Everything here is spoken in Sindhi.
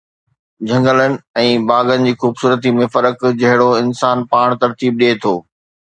جهنگلن ۽ باغن جي خوبصورتي ۾ فرق جهڙو انسان پاڻ ترتيب ڏئي ٿو